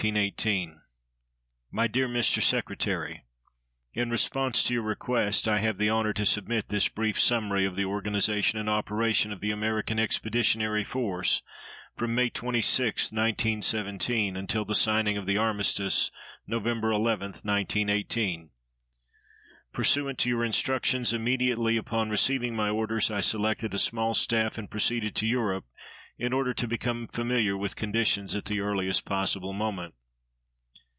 My dear Mr. Secretary: In response to your request, I have the honor to submit this brief summary of the organization and operation of the American Expeditionary Force from May 26, 1917, until the signing of the armistice Nov. 11, 1918. Pursuant to your instructions, immediately upon receiving my orders I selected a small staff and proceeded to Europe in order to become familiar with conditions at the earliest possible moment.